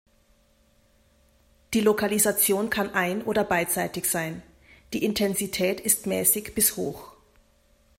Die Lokalisation kann ein- oder beidseitig sein, die Intensität ist mäßig bis hoch.